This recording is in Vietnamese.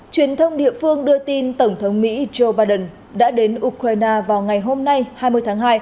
truyền thông địa phương đưa tin tổng thống mỹ joe biden đã đến ukraine vào ngày hôm nay hai mươi tháng hai